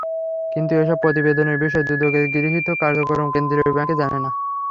কিন্তু এসব প্রতিবেদনের বিষয়ে দুদকের গৃহীত কার্যক্রম কেন্দ্রীয় ব্যাংক জানে না।